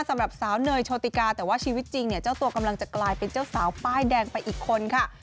สำหรับสาวเนยโชติกาแต่ว่าชีวิตจริงเนี่ยเจ้าตัวกำลังจะกลายเป็นเจ้าสาวป้ายแดงไปอีกคนค่ะ